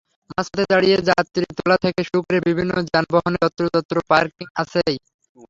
মাঝপথে দাঁড়িয়ে যাত্রী তোলা থেকে শুরু করে বিভিন্ন যানবাহনের যত্রতত্র পার্কিং আছেই।